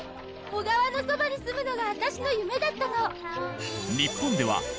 小川のそばに住むのが私の夢だったの。